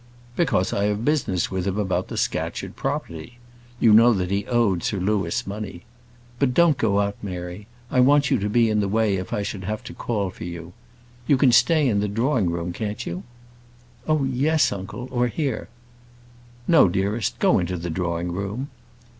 "Because I have business with him about the Scatcherd property. You know that he owed Sir Louis money. But don't go out, Mary. I want you to be in the way if I should have to call for you. You can stay in the drawing room, can't you?" "Oh, yes, uncle; or here." "No, dearest; go into the drawing room."